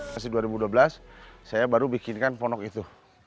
masih dua ribu dua belas saya baru bikinkan pondok itu